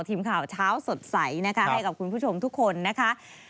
ทีมข่าวเช้าสดใสนะคะให้กับคุณผู้ชมทุกคนนะคะ